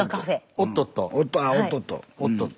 「おっとっと」。